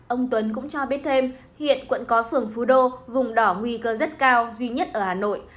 ông tuấn cũng cho biết thêm hiện quận có phường phú đô vùng đỏ nguy cơ rất cao duy nhất ở hà nội